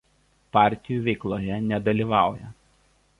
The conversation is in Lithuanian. Partijų veikloje nedalyvauja.